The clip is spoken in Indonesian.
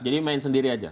jadi main sendiri aja